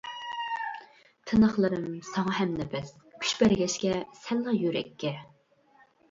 تىنىقلىرىم ساڭا ھەمنەپەس، كۈچ بەرگەچكە سەنلا يۈرەككە.